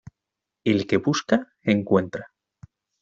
El que busca encuentra.